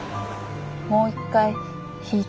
もう一回弾いてみる。